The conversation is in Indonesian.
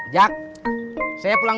sampai jumpa lagi